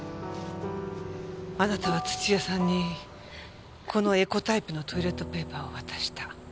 あなたは土屋さんにこのエコタイプのトイレットペーパーを渡した。